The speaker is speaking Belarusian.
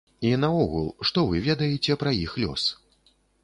І наогул, што вы ведаеце пра іх лёс?